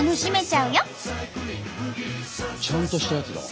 ちゃんとしたやつだ。